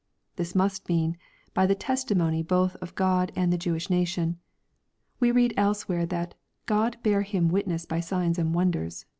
] This must mean " By the testi mony botii of God and the Jewish nation." — We read elsewhere that " God bare him witness by signs and wonders."